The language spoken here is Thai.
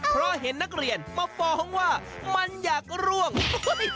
เพราะเห็นนักเรียนมาฟ้องว่ามันอยากร่วง